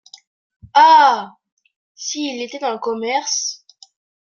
Ah ! s’il était dans le commerce !…